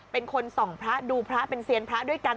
เป็นคนส่องพระดูพระเป็นเซียนพระด้วยกัน